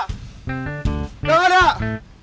kau dengar gak